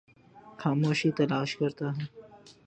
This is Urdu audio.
خاموشی تلاش کرتا ہوں